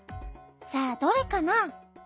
さあどれかな？